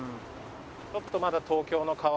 ちょっとまだ東京の川は。